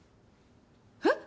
えっ？